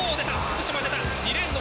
福島出た！